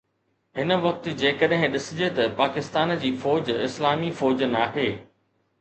هن وقت جيڪڏهن ڏسجي ته پاڪستان جي فوج اسلامي فوج ناهي